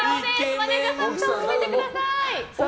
マネジャーさんふたを閉めてください。